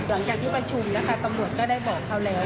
หลังจากที่ประชุมนะคะตำรวจก็ได้บอกเขาแล้ว